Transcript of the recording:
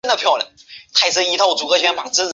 施塔特劳林根是德国巴伐利亚州的一个市镇。